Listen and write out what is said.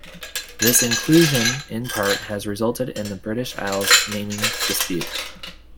This inclusion, in part, has resulted in the British Isles naming dispute.